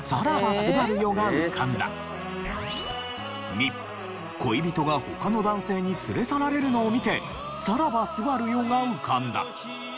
２恋人が他の男性に連れ去られるのを見て「さらば昴よ」が浮かんだ。